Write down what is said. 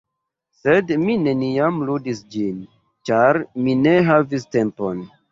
sed mi neniam ludis ĝin, ĉar mi ne havis tempon.